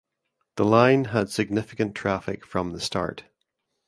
The line had significant traffic from the start.